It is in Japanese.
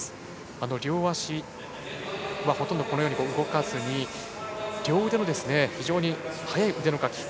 両足はほとんど動かずに両腕の非常に速い腕のかき。